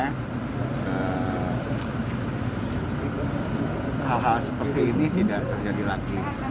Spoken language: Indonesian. hal hal seperti ini tidak terjadi lagi